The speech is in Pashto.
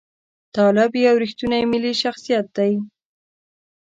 طالب یو ریښتونی ملي شخصیت دی.